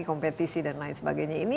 kompetisi dan lain sebagainya